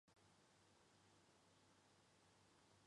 他的母亲是威尔士王妃奥古斯塔公主。